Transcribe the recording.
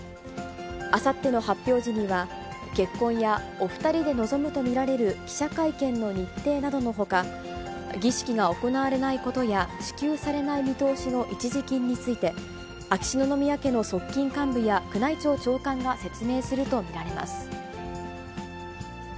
あさっての発表時には、結婚やお２人で臨むと見られる記者会見の日程などのほか、儀式が行われないことや、支給されない見通しの一時金について、秋篠宮家の側近幹部や宮内庁長官が説明すると見られます。